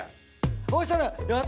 そしたらやった！